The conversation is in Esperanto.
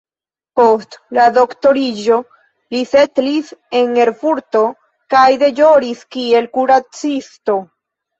Post la doktoriĝo li setlis en Erfurto kaj deĵoris kiel kuracisto.